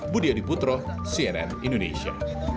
budi adiputro cnn indonesia